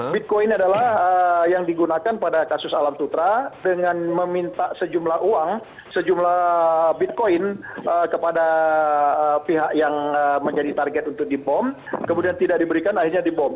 bitcoin adalah yang digunakan pada kasus alam sutra dengan meminta sejumlah uang sejumlah bitcoin kepada pihak yang menjadi target untuk dibom kemudian tidak diberikan akhirnya dibom